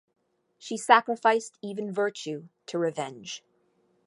She sacrificed even virtue to revenge.